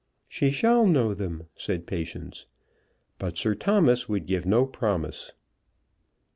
"She shall know them," said Patience. But Sir Thomas would give no promise.